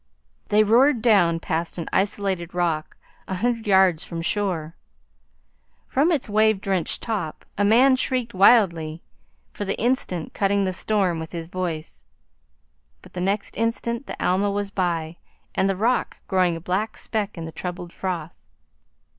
They roared down past an isolated rock a hundred yards from shore. From its wave drenched top a man shrieked wildly, for the instant cutting the storm with his voice. But the next instant the Alma was by, and the rock growing a black speck in the troubled froth.